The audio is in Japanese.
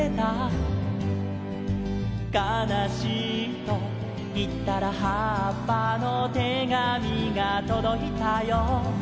「かなしいといったらはっぱの手紙がとどいたよ」